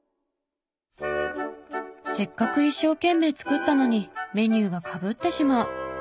せっかく一生懸命作ったのにメニューがかぶってしまう。